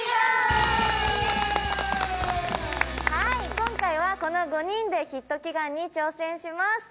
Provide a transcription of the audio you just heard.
今回はこの５人でヒット祈願に挑戦します